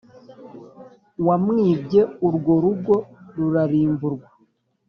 wamwibye urwo rugo rurarimburwa